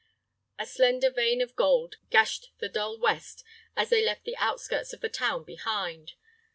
A slender vein of gold gashed the dull west as they left the outskirts of the town behind.